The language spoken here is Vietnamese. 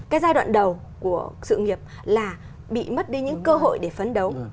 cái giai đoạn đầu của sự nghiệp là bị mất đi những cơ hội để phấn đấu